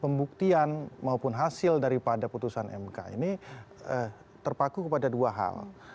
pembuktian maupun hasil daripada putusan mk ini terpaku kepada dua hal